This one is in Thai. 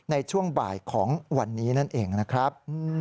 ในช่วงบ่ายของวันนี้นั่นเองนะครับ